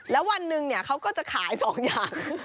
แล้ววันหนึ่งเขาก็จะขาย๒อย่าง